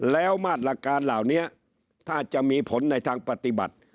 แล้วมาตรการเหล่านี้ถ้าจะมีผลในทางปฏิบัติ